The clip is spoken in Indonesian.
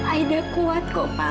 aida kuat kok pak